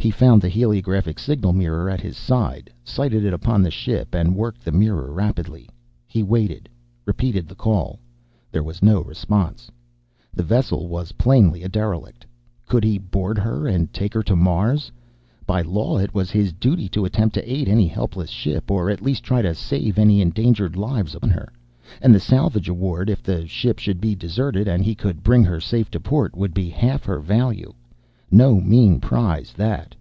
He found the heliograph signal mirror at his side, sighted it upon the ship, and worked the mirror rapidly. He waited, repeated the call. There was no response. The vessel was plainly a derelict. Could he board her, and take her to Mars? By law, it was his duty to attempt to aid any helpless ship, or at least to try to save any endangered lives upon her. And the salvage award, if the ship should be deserted and he could bring her safe to port, would be half her value. No mean prize, that.